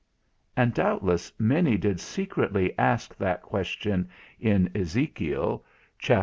And doubtless many did secretly ask that question in Ezekiel (chap.